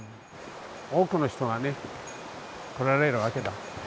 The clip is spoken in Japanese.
多くの人がね来られるわけだ。